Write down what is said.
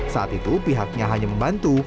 saat itu pihaknya hanya membantu